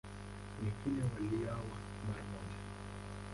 Wengine waliuawa mara moja.